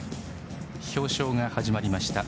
表彰が始まりました。